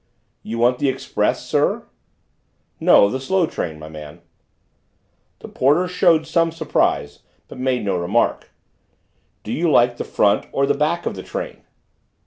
"You want the express, sir?" "No, the slow train, my man." The porter showed some surprise, but made no remark. "Do you like the front or the back of the train?"